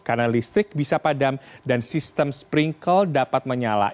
karena listrik bisa padam dan sistem sprinkle dapat menyala